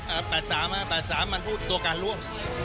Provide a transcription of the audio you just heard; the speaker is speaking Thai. ไม่ใช่เลข๘๓นะ๘๓มันพูดตัวการร่วม